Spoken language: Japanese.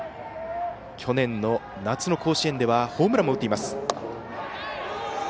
去年の夏の甲子園ではホームランも打っています。